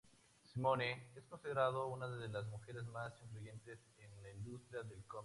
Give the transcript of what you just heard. Simone es considerada una de las mujeres más influyentes en la industria del cómic.